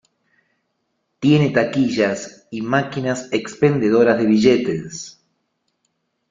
Tiene taquillas y máquinas expendedoras de billetes.